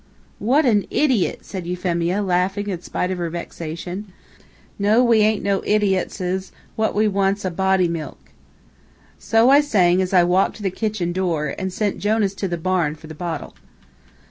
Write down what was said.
"What an idiot!" said Euphemia, laughing in spite of her vexation. "No, we aint no id i otses What we want's a bot ty mik." So I sang as I walked to the kitchen door, and sent Jonas to the barn for the bottle.